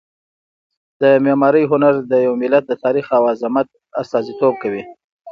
د معمارۍ هنر د یو ملت د تاریخ او عظمت استازیتوب کوي.